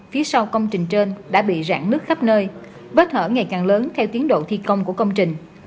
phía sau công trình trên đã bị rạn nứt khắp nơi vết thở ngày càng lớn theo tiến độ thi công của công trình